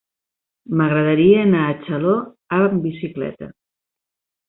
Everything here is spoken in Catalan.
M'agradaria anar a Xaló amb bicicleta.